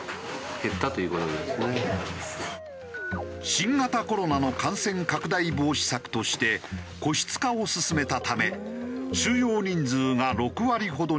新型コロナの感染拡大防止策として個室化を進めたため収容人数が６割ほどに減少。